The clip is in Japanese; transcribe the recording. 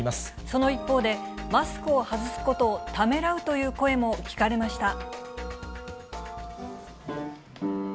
その一方で、マスクを外すことをためらうという声も聞かれました。